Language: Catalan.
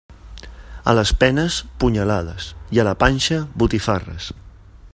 A les penes, punyalades, i a la panxa, botifarres.